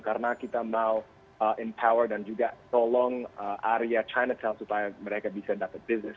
karena kita mau empower dan juga tolong area chinatown supaya mereka bisa dapat bisnis